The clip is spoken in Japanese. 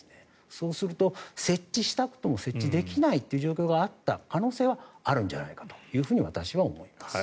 そうすると設置したくとも設置できないという状況があった可能性はあるんじゃないかと私は思っています。